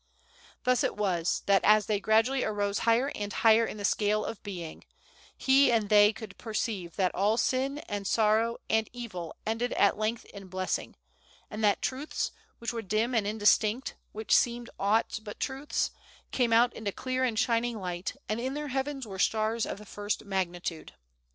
Thus it was that, as they gradually arose higher and higher in the scale of being, he and they could perceive that all sin, and sorrow, and evil ended at length in blessing, and that truths, which were dim and indistinct, which seemed aught but truths, came out into clear and shining light, and in their heavens were stars of the first magnitude.